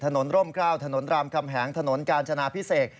ร่มกล้าวถนนรามคำแหงถนนกาญจนาพิเศษ